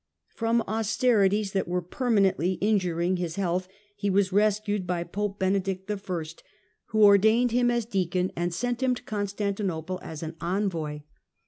From austerities that were perman ently injuring his health he was rescued by Pope Benedict I., who ordained him as deacon and sent him to Constantinople as his envoy.